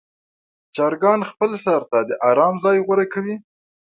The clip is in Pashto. چرګان خپل سر ته د آرام ځای غوره کوي.